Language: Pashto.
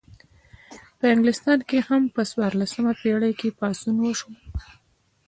په انګلستان کې هم په څوارلسمه پیړۍ کې پاڅون وشو.